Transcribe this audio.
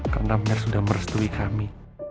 karena mel sudah merestui kami